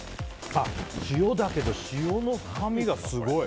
塩だけど、塩の深みがすごい。